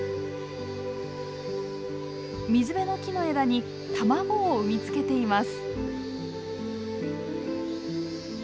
水辺の木の枝に卵を産みつけています。